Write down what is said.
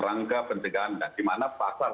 rangka pencegahan dan gimana pasar